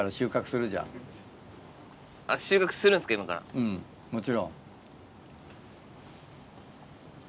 うんもちろん。